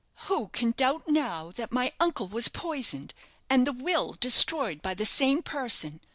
"Who can doubt now that my uncle was poisoned, and the will destroyed by the same person?